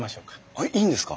えっいいんですか？